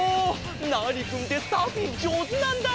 ナーニくんってサーフィンじょうずなんだ！